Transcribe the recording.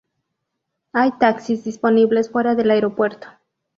Hay taxis disponibles fuera del aeropuerto.